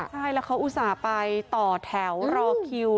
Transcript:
ใช่เขาอุตส่าห์ต่อแถวรอคิว